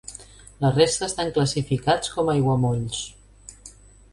La resta estan classificats com aiguamolls.